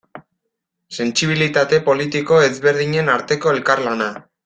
Sentsibilitate politiko ezberdinen arteko elkarlana.